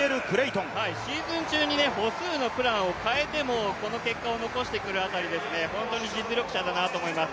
シーンズ中に歩数のプランを変えてもこの結果を残してくるあたり、本当に実力者だなと思います。